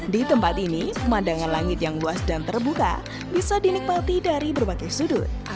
di tempat ini pemandangan langit yang luas dan terbuka bisa dinikmati dari berbagai sudut